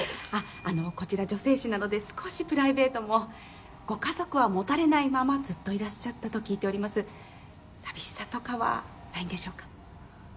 あのこちら女性誌なので少しプライベートもご家族は持たれないままずっといらっしゃったと聞いております寂しさとかはないんでしょうか？